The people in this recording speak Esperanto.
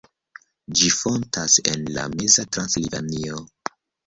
Ĝi fontas en la meza Transilvanio.